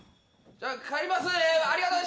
じゃあ帰りますね。